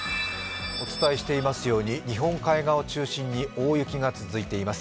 お伝えしていますように日本海側を中心に大雪が続いています。